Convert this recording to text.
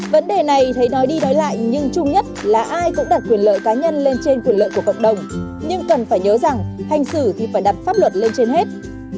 vấn đề này thấy nói đi nói lại nhưng chung nhất là ai cũng đặt quyền lợi cá nhân lên trên quyền lợi của cộng đồng nhưng cần phải nhớ rằng hành xử thì phải đặt pháp luật lên trên hết